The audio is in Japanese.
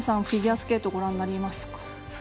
フィギュアスケートはご覧になりますか？